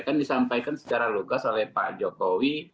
kan disampaikan secara lugas oleh pak jokowi